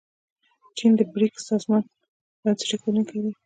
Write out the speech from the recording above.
چین د بریکس سازمان بنسټ ایښودونکی دی.